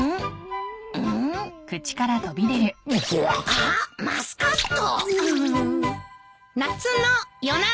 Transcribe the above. あっマスカット！